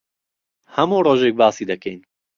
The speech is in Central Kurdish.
هەموو ڕۆژێک باسی دەکەین.